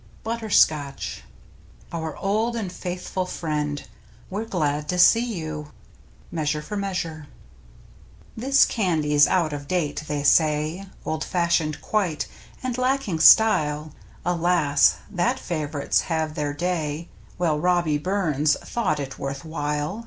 BUTTER SCOTCH Our old and faithful friend. We're glad to see you. — Measure for Measure. This candy's out of date, they say. Old fashioned quite, and lacking style, Alas ! that f av'rites have their day — Well, Robbie Burns thought it worth while